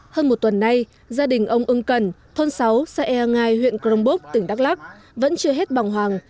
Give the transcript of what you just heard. hơn một tuần nay gia đình ông ưng cần thôn sáu sae ngai huyện crong bốc tỉnh đắk lắc vẫn chưa hết bằng hoàng